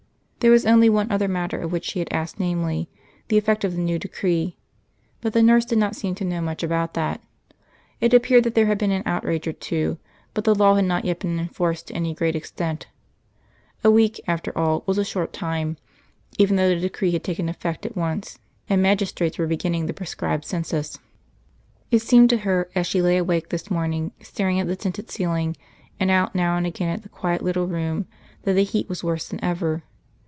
There was only one other matter of which she had asked, namely, the effect of the new decree; but the nurse did not seem to know much about that. It appeared that there had been an outrage or two, but the law had not yet been enforced to any great extent; a week, after all, was a short time, even though the decree had taken effect at once, and magistrates were beginning the prescribed census. It seemed to her as she lay awake this morning, staring at the tinted ceiling, and out now and again at the quiet little room, that the heat was worse than ever.